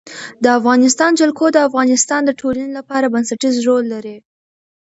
د افغانستان جلکو د افغانستان د ټولنې لپاره بنسټيز رول لري.